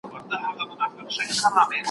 د ښځو ګډون ټولنیز بدلون چټکوي.